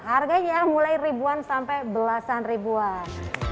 harganya mulai ribuan sampai belasan ribuan